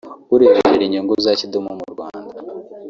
ureberera inyungu za Kidumu mu Rwanda